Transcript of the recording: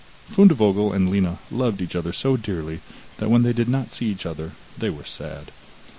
Fundevogel and Lina loved each other so dearly that when they did not see each other they were sad.